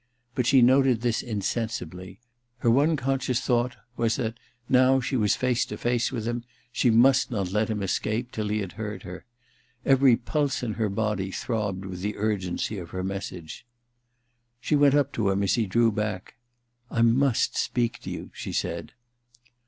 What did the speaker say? But she noted this in sensibly : her one conscious thought was that, now she was face to face with him, she must not let him escape till he had heard her. Every pulse in her body throbbed with the urgency of her message. She went up to him as he drew back. * I must speak to you,' she said.